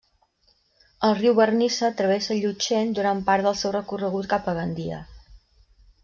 El riu Vernissa travessa Llutxent durant part del seu recorregut cap a Gandia.